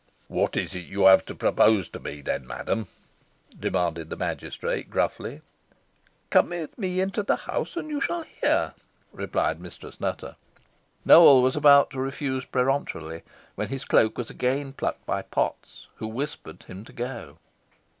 "What is it you have to propose to me, then, madam!" demanded the magistrate, gruffly. "Come with me into the house, and you shall hear," replied Mistress Nutter. Nowell was about to refuse peremptorily, when his cloak was again plucked by Potts, who whispered him to go.